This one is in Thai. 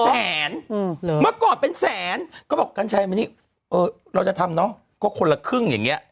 เหรอเป็นแสนก็ว่ามันให้ไปงี้เราจะทำเนอะคนละครึ่งยังไง